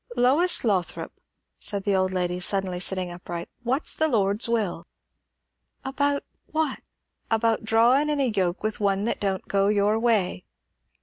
"Lois Lothrop," said the old lady, suddenly sitting upright, "what's the Lord's will?" "About what?" "About drawin' in a yoke with one that don't go your way?"